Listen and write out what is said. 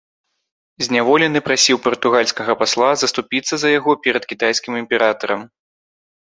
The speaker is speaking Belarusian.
Зняволены прасіў партугальскага пасла заступіцца за яго перад кітайскім імператарам.